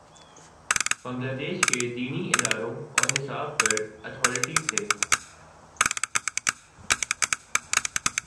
بنگلہ دیش کے دینی اداروں اور نصاب پر اتھارٹی تھے۔